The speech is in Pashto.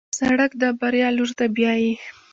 سړک د بریا لور ته بیایي.